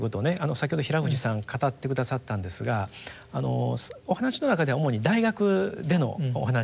先ほど平藤さん語って下さったんですがお話の中では主に大学でのお話でした。